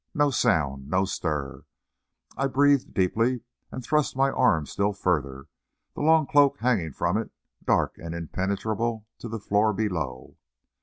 No sound, no stir. I breathed deeply and thrust my arm still further, the long cloak hanging from it dark and impenetrable to the floor below.